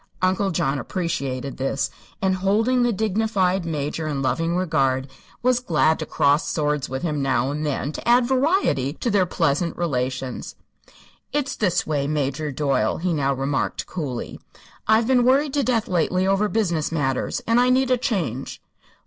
Uncle John appreciated this, and holding the dignified Major in loving regard was glad to cross swords with him now and then to add variety to their pleasant relations. "It's this way, Major Doyle," he now remarked, coolly. "I've been worried to death, lately, over business matters; and I need a change."